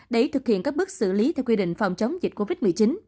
để thực hiện các bước xử lý theo quy định phòng chống dịch covid một mươi chín